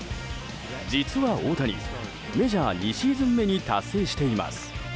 実は大谷メジャー２シーズン目に達成しています。